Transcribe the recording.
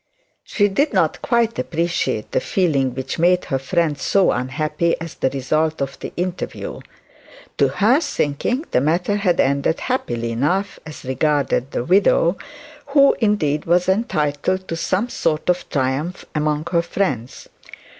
She did not quite appreciate the feeling which made her friend so unhappy at the result of the interview. To her thinking, the matter had ended happily enough as regarded the widow, who indeed was entitled to some sort of triumph among her friends.